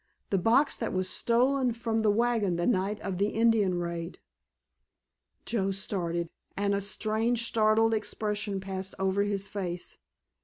The box that was stolen from the wagon the night of the Indian raid." Joe started, and a strange startled expression passed over his face.